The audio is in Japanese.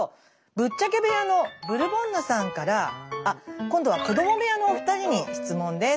ぶっちゃけ部屋のブルボンヌさんから今度は子ども部屋のお二人に質問です。